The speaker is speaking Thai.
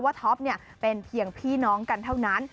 ท็อปเป็นเพียงพี่น้องกันเท่านั้น